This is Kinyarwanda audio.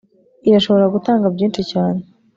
irashobora gutanga byinshi cyane